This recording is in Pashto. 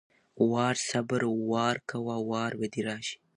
وار=صبر، وار کوه وار به دې راشي!